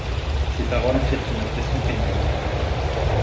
Ces paroles firent une impression pénible.